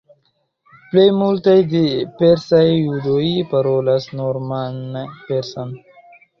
Plej multaj persaj judoj parolas norman persan.